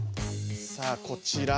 さあこちら。